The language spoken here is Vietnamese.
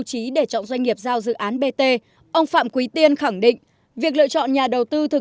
lực của trọng doanh nghiệp giao dự án bt ông phạm quý tiên khẳng định việc lựa chọn nhà đầu tư thực